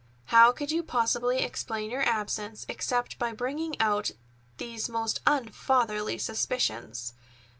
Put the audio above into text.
How could you possibly explain your absence except by bringing out these most unfatherly suspicions?